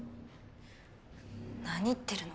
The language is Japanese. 何言ってるの？